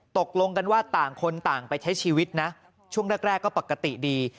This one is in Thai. ตกลงกันว่าต่างคนต่างไปใช้ชีวิตนะช่วงแรกก็ปกติดี